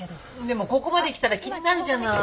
でもここまできたら気になるじゃない。